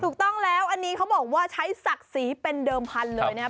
ถูกต้องแล้วอันนี้เขาบอกว่าใช้ศักดิ์ศรีเป็นเดิมพันธุ์เลยนะครับ